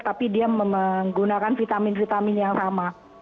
tapi dia menggunakan vitamin vitamin yang sama